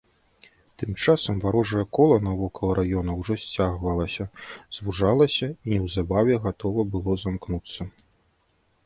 Тым часам варожае кола навакол раёна ўжо сцягвалася, звужалася і неўзабаве гатова было замкнуцца.